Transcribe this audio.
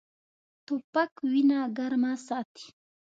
توپک وینه ګرمه ساتي.